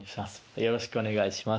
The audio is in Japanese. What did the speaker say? よろしくお願いします